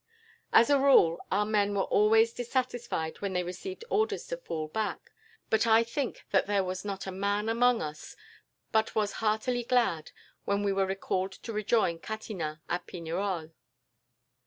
"As a rule, our men were always dissatisfied when they received orders to fall back, but I think that there was not a man among us but was heartily glad, when we were recalled to rejoin Catinat at Pignerolle."